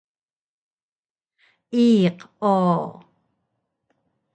Iq o!